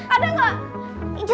ada bang ini mama